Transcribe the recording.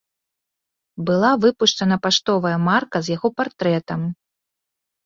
Была выпушчана паштовая марка з яго партрэтам.